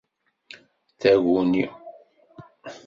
Taguni.